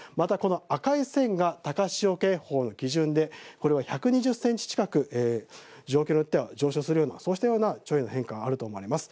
赤い線が高潮警報の基準でこれは１２０センチ近く上昇するような潮位の変化があると思います。